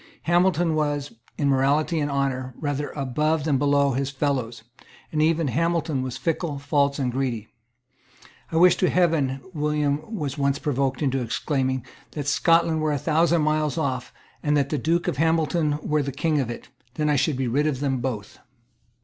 Hamilton was, in morality and honour, rather above than below his fellows; and even Hamilton was fickle, false and greedy. "I wish to heaven," William was once provoked into exclaiming, "that Scotland were a thousand miles off, and that the Duke of Hamilton were King of it. Then I should be rid of them both."